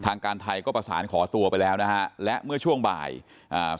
ทางการไทยก็ประสานขอตัวไปแล้วนะฮะและเมื่อช่วงบ่ายอ่า